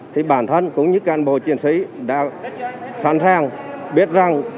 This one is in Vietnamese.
thì bản thân cũng như cán bộ chiến sĩ đã sẵn sàng biết rằng